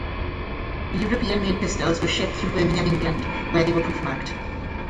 The European made pistols were shipped through Birmingham, England, where they were proofmarked.